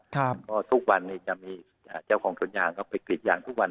ก็ทุกวันนี้จะมีเจ้าของสวนยางเขาไปกลิ่นยางทุกวัน